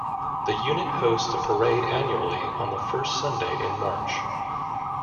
The unit hosts a parade annually on the first Sunday in March.